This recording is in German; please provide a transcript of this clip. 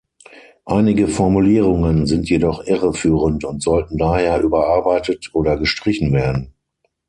Einige Formulierungen sind jedoch irreführend und sollten daher überarbeitet oder gestrichen werden.